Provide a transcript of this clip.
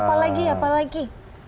terus apa lagi apa lagi